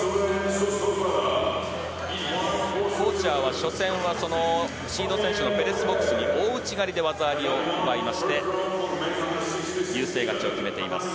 コーチャーは初戦はペレス・ボクスに大内刈りで技ありを奪いまして優勢勝ちを決めています。